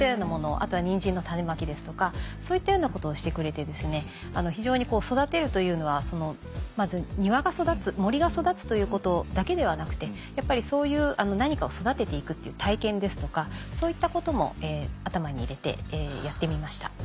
あとはニンジンの種まきですとかそういったことをしてくれて非常に育てるというのはまず庭が育つ森が育つということだけではなくてやっぱりそういう何かを育てて行くという体験ですとかそういったことも頭に入れてやってみました。